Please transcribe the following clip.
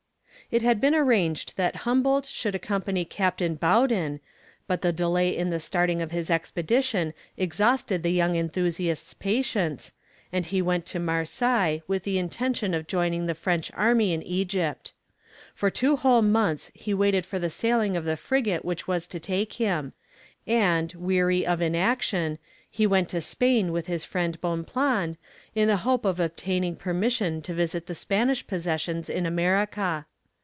It had been arranged that Humboldt should accompany Captain Baudin, but the delay in the starting of his expedition exhausted the young enthusiast's patience, and he went to Marseilles with the intention of joining the French army in Egypt. For two whole months he waited for the sailing of the frigate which was to take him; and, weary of inaction, he went to Spain with his friend Bonpland, in the hope of obtaining permission to visit the Spanish possessions in America.